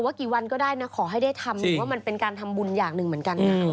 พี่ดีขอให้เด้ยทำนึงว่ามันเป็นการทำบุญอย่างหนึ่งเหมือนนี้อืม